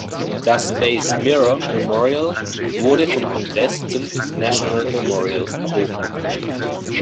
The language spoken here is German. Das Space Mirror Memorial wurde vom Kongress zum National Memorial erhoben.